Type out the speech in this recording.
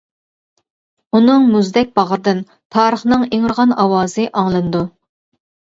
ئۇنىڭ مۇزدەك باغرىدىن تارىخنىڭ ئىڭرىغان ئاۋازى ئاڭلىنىدۇ.